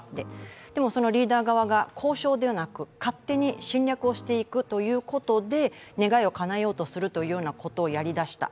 でもそのリーダー側が交渉ではなく勝手に侵略していくことで願いを叶えようとすることをやり出した、